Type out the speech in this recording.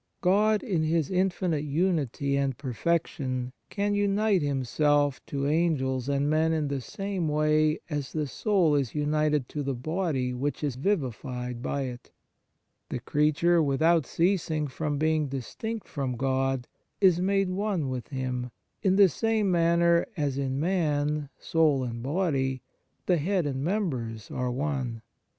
God in His infinite unity and perfection can unite Himself to Angels and men in the same way as the soul is united to the body which is vivified by it. The creature, without ceasing from being distinct from God, is made one with Him, in the same manner as in man soul and body, the head and members, are one.